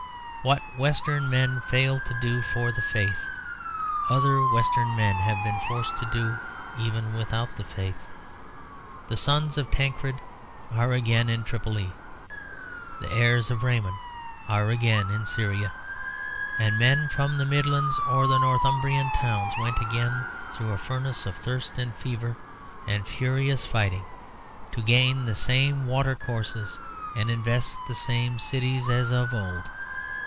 What Western men failed to do for the faith, other Western men have been forced to do even without the faith. The sons of Tancred are again in Tripoli. The heirs of Raymond are again in Syria. And men from the Midlands or the Northumbrian towns went again through a furnace of thirst and fever and furious fighting, to gain the same water courses and invest the same cities as of old.